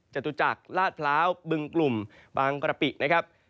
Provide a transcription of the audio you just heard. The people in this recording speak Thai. จตุจักรลาดพร้าวบึงกลุ่มบางกระปินะครับ